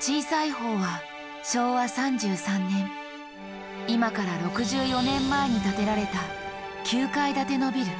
小さい方は昭和３３年今から６４年前に建てられた９階建てのビル。